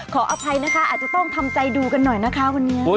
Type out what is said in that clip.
ขออภัยนะคะอาจจะต้องทำใจดูกันหน่อยนะคะวันนี้